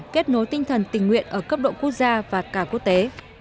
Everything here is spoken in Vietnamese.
kết nối tinh thần tình nguyện ở cấp độ quốc gia và cả quốc tế